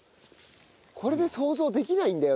これで想像できないんだよなあ。